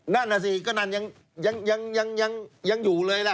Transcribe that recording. นั่นน่ะสิก็นั่นยังอยู่เลยล่ะ